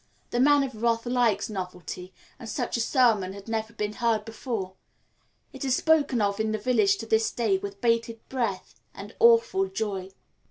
The Man of Wrath likes novelty, and such a sermon had never been heard before. It is spoken of in the village to this day with bated breath and awful joy.